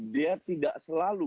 dia tidak selalu